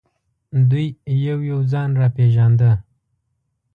دوی یو یو ځان را پېژانده.